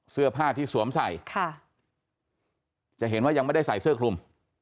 เสื้อผ้าที่สวมใส่ค่ะจะเห็นว่ายังไม่ได้ใส่เสื้อคลุม